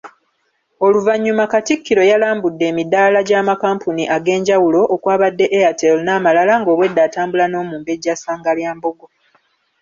Oluvannyuma Katikkiro yalambudde emidaala gy’amakampuni ag’enjawulo okwabadde Airtel n’amalala ng’obwedda atambula n’Omumbejja Ssangalyambogo.